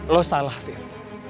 lo salah viv